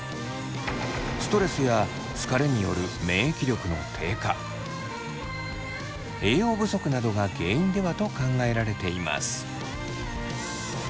ストレスや疲れによる免疫力の低下栄養不足などが原因ではと考えられています。